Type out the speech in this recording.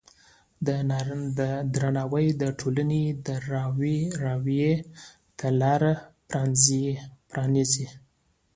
درناوی د ټولنې د راوي ته لاره پرانیزي.